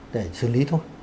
để xử lý thôi